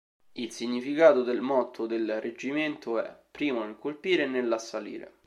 Il significato del motto del Reggimento è: "Primo nel colpire e nell'assalire".